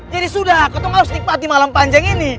jadi sudah kau tuh nggak harus nikmat di malam panjang ini